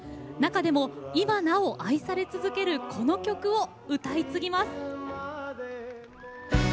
中でも今なお愛され続けるこの曲を歌い継ぎます。